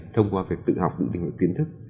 thông qua việc tự học đủ điểm kiến thức